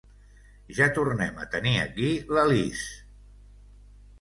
Ja tornem a tenir aquí la Liz!